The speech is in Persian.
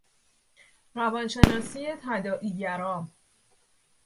روانشناسی تداعی گرا